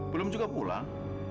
belum juga pulang